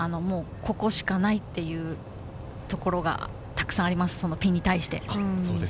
ここしかないっていうところがたくさんあります、ピンに対して。